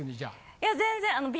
いや全然。